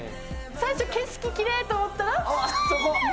最初、景色きれいって思ったら。